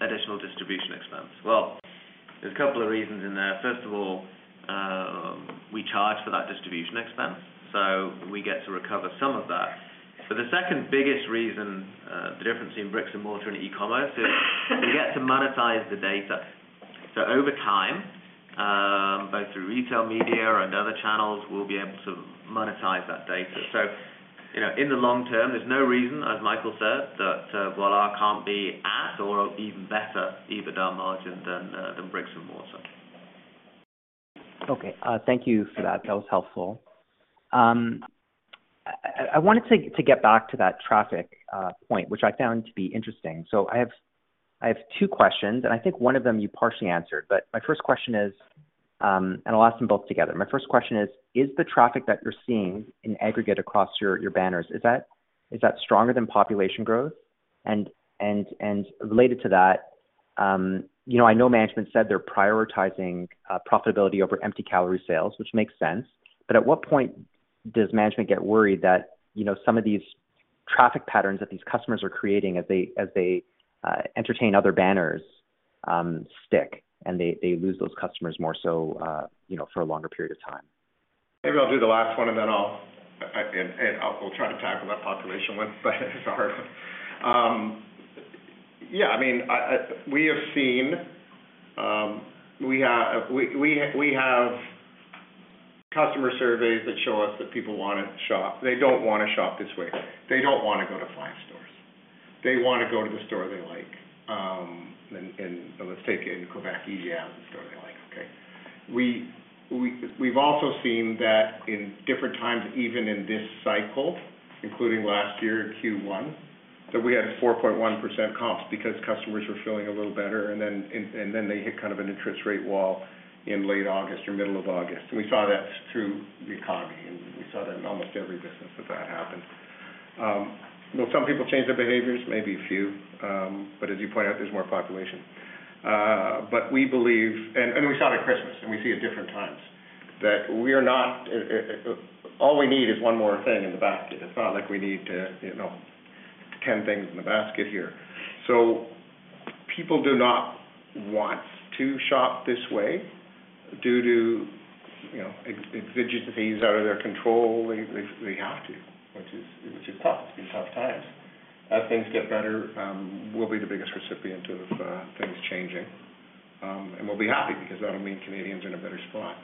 additional distribution expense? Well, there's a couple of reasons in there. First of all, we charge for that distribution expense, so we get to recover some of that. But the second biggest reason, the difference in bricks and mortar and e-commerce is, we get to monetize the data. So over time, both through retail media and other channels, we'll be able to monetize that data. So you know, in the long term, there's no reason, as Michael said, that Voilà can't be at or even better EBITDA margin than bricks and mortar. Okay, thank you for that. That was helpful. I wanted to get back to that traffic point, which I found to be interesting. So I have two questions, and I think one of them you partially answered. But my first question is, and I'll ask them both together. My first question is: Is the traffic that you're seeing in aggregate across your banners, is that stronger than population growth? Related to that, you know, I know management said they're prioritizing profitability over empty calorie sales, which makes sense, but at what point does management get worried that, you know, some of these traffic patterns that these customers are creating as they entertain other banners stick, and they lose those customers more so, you know, for a longer period of time? Maybe I'll do the last one, and then we'll try to tackle that population one. Yeah, I mean, we have seen customer surveys that show us that people want to shop. They don't want to shop this way. They don't want to go to five stores. They want to go to the store they like, and let's take in Quebec, IGA is the store they like, okay? We've also seen that in different times, even in this cycle, including last year in Q1, that we had a 4.1% comp because customers were feeling a little better, and then they hit kind of an interest rate wall in late August or middle of August. We saw that through the economy, and we saw that in almost every business that, that happened. You know, some people change their behaviors, maybe a few, but as you point out, there's more population. But we believe. And we saw it at Christmas, and we see it at different times. That we are not all we need is one more thing in the basket. It's not like we need to, you know, 10 things in the basket here. So people do not want to shop this way due to, you know, exigencies out of their control. They have to, which is tough. These are tough times. As things get better, we'll be the biggest recipient of things changing. And we'll be happy because that'll mean Canadians are in a better spot.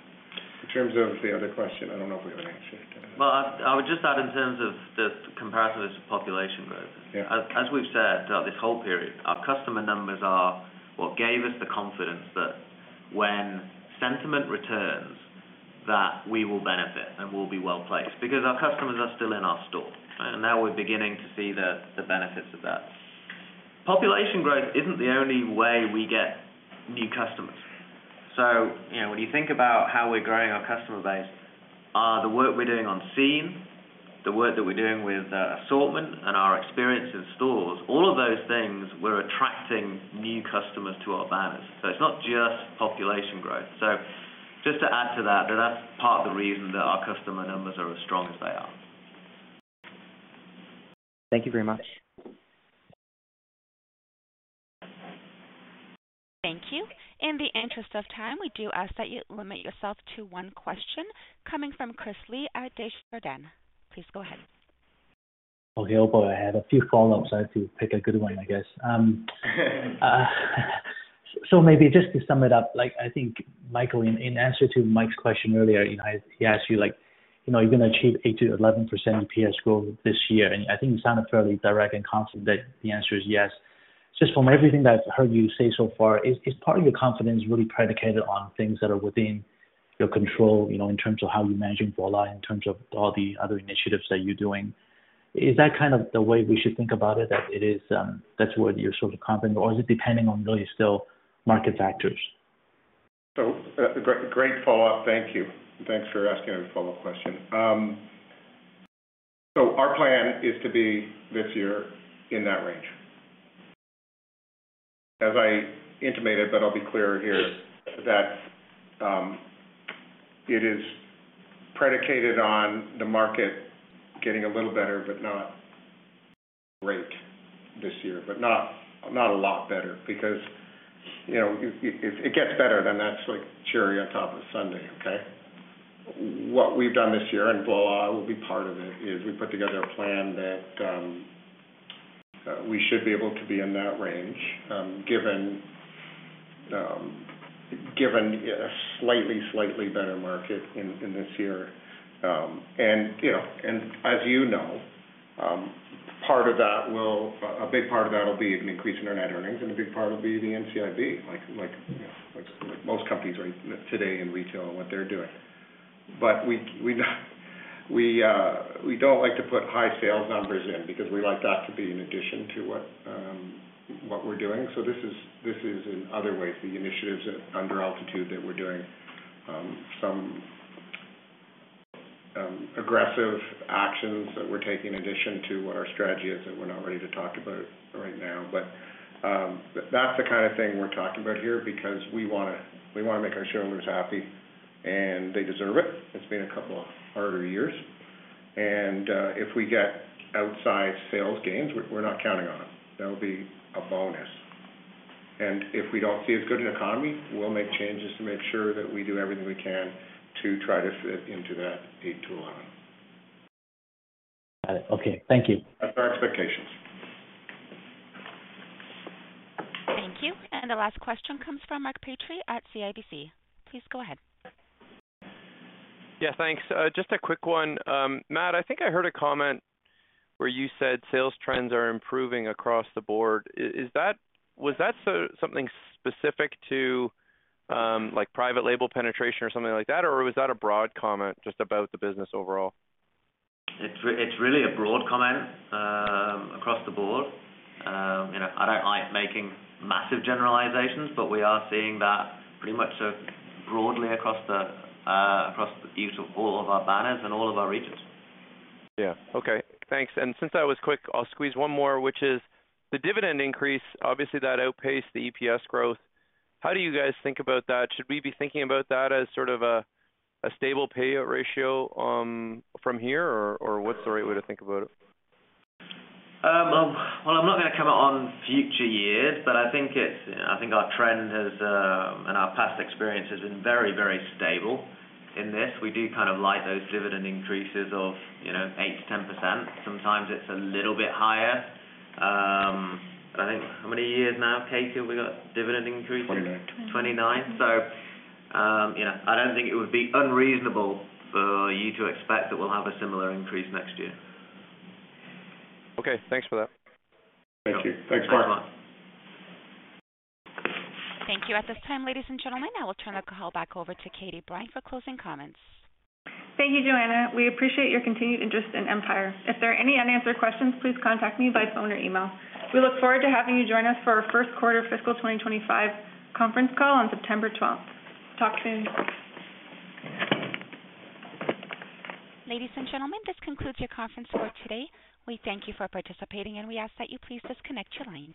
In terms of the other question, I don't know if we already answered it. Well, I would just add in terms of the comparison to population growth. Yeah. As we've said throughout this whole period, our customer numbers are what gave us the confidence that when sentiment returns, that we will benefit and we'll be well-placed. Because our customers are still in our store, and now we're beginning to see the benefits of that. Population growth isn't the only way we get new customers. So, you know, when you think about how we're growing our customer base, the work we're doing on scene, the work that we're doing with assortment and our experience in stores, all of those things, we're attracting new customers to our banners. So it's not just population growth. So just to add to that, that's part of the reason that our customer numbers are as strong as they are. Thank you very much. Thank you. In the interest of time, we do ask that you limit yourself to one question. Coming from Chris Li at Desjardins. Please go ahead. Okay. Oh, boy, I had a few follow-ups. I have to pick a good one, I guess. So maybe just to sum it up, like, I think, Michael, in, in answer to Mike's question earlier, you know, he asked you, like, you know, you're gonna achieve 8%-11% EPS growth this year, and I think you sound fairly direct and confident that the answer is yes. Just from everything that I've heard you say so far, is, is part of your confidence really predicated on things that are within your control, you know, in terms of how you're managing Voilà, in terms of all the other initiatives that you're doing? Is that kind of the way we should think about it, that it is, that's where you're sort of confident, or is it depending on really still market factors? So, great follow-up. Thank you. Thanks for asking a follow-up question. So our plan is to be, this year, in that range. As I intimated, but I'll be clearer here, that it is predicated on the market getting a little better, but not great this year. But not a lot better because, you know, if it gets better, then that's like cherry on top of a sundae, okay? What we've done this year, and Voilà will be part of it, is we put together a plan that we should be able to be in that range, given a slightly better market in this year. You know, as you know, part of that will be an increase in our net earnings, and a big part will be the NCIB, like, you know, like most companies are today in retail and what they're doing. But we don't like to put high sales numbers in because we like that to be in addition to what we're doing. So this is, in other ways, the initiatives under Altitude that we're doing, some aggressive actions that we're taking in addition to what our strategy is, that we're not ready to talk about right now. But that's the kind of thing we're talking about here because we wanna make our shareholders happy, and they deserve it. It's been a couple of harder years, and if we get outside sales gains, we're not counting on them. That would be a bonus. And if we don't see as good an economy, we'll make changes to make sure that we do everything we can to try to fit into that 8-11. Got it. Okay. Thank you. That's our expectations. Thank you. The last question comes from Mark Petrie at CIBC. Please go ahead. Yeah, thanks. Just a quick one. Matt, I think I heard a comment where you said sales trends are improving across the board. Is that, was that something specific to, like, private label penetration or something like that? Or was that a broad comment just about the business overall? It's really a broad comment across the board. You know, I don't like making massive generalizations, but we are seeing that pretty much broadly across the board to all of our banners and all of our regions. Yeah. Okay, thanks. Since I was quick, I'll squeeze one more, which is the dividend increase. Obviously, that outpaced the EPS growth. How do you guys think about that? Should we be thinking about that as sort of a stable payout ratio from here, or what's the right way to think about it? Well, I'm not gonna comment on future years, but I think it's, I think our trend has, and our past experience has been very, very stable in this. We do kind of like those dividend increases of, you know, 8%-10%. Sometimes it's a little bit higher. I think, how many years now, Katie, we got dividend increases? 29. So, yeah, I don't think it would be unreasonable for you to expect that we'll have a similar increase next year. Okay, thanks for that. Thank you. Thanks, Mark. Thanks a lot. Thank you. At this time, ladies and gentlemen, I will turn the call back over to Katie Brine for closing comments. Thank you, Joanna. We appreciate your continued interest in Empire. If there are any unanswered questions, please contact me by phone or email. We look forward to having you join us for our first quarter fiscal 2025 conference call on September 12th. Talk soon. Ladies and gentlemen, this concludes your conference for today. We thank you for participating, and we ask that you please disconnect your lines.